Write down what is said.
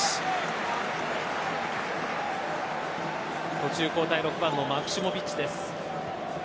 途中交代の６番マクシモヴィッチです。